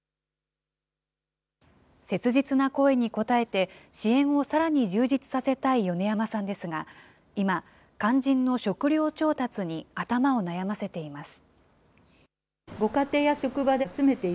切実な声に応えて、支援をさらに充実させたい米山さんですが、今、肝心の食料調達に頭を悩ませています。